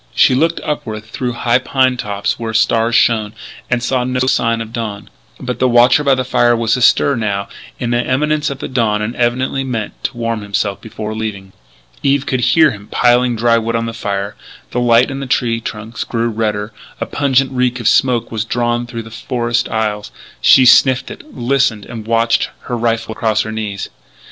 She looked upward through high pine tops where stars shone; and saw no sign of dawn. But the watcher by the fire beyond was astir, now, in the imminence of dawn, and evidently meant to warm himself before leaving. Eve could hear him piling dry wood on the fire; the light on the tree trunks grew redder; a pungent reek of smoke was drawn through the forest aisles. She sniffed it, listened, and watched, her rifle across her knees.